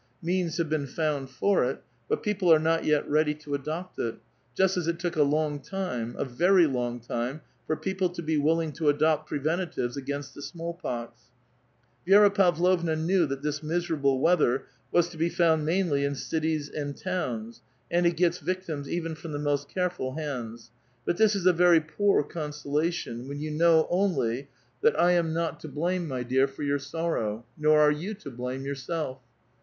^eans have been found for it ; but people are not yet ready ^ adopt it, just as it took a long time, a very long time, fi)r people to be willing to adopt preventatives against the 8mall pox. Vi^ra Pavlovna knew that this miserable weather Was to be found mainly in cities and towns, and it gets vic tims even from the most careful hands : but this is a very poor consolation, when you know only that "I am not to 184 .4 VITAL QUESTION. blame, 1113' dear, for 3'our soitow ; nor are you to blame, yourself."